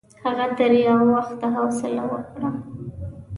هغه تر یوه وخته حوصله وکړه.